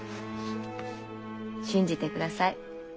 信じてください。